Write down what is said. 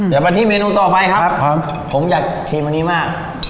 เดี๋ยวมาที่เมนูต่อไปครับผมอยากชิมอันนี้มาก